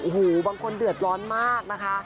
หูบางคนเดือดร้อนมากนะคะ